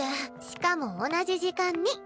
しかも同じ時間に。